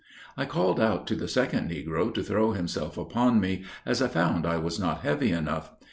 I called out to the second negro to throw himself upon me, as I found I was not heavy enough.